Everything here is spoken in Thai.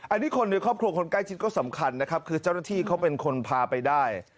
อันนี้คนในครอบครัวคนใกล้ชิดก็สำคัญนะครับคือเจ้าหน้าที่เขาเป็นคนพาไปได้